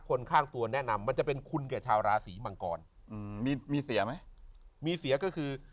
คนข้างตัวแนะนำมันจะเป็นคุณแก่ชาวราศีมังกรอืมมีมีเสียไหมมีเสียก็คือ